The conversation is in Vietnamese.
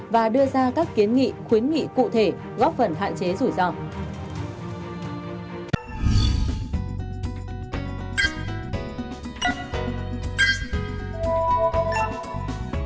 và đưa ra các kiến nghị khuyến nghị cụ thể góp phần hạn chế rủi ro